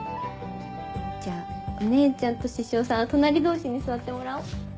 じゃあお姉ちゃんと獅子王さんは隣同士に座ってもらおう。